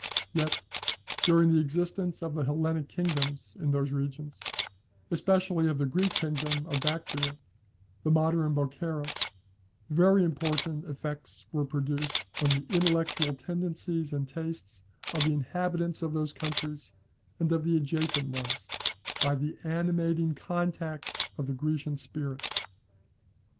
Yet, during the existence of the Hellenic kingdoms in these regions, especially of the Greek kingdom of Bactria, the modern Bokhara, very important effects were produced on the intellectual tendencies and tastes of the inhabitants of those countries and of the adjacent ones, by the animating contact of the Grecian spirit.